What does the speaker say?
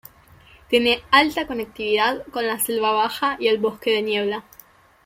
Tiene alta conectividad con la selva baja y el bosque de niebla.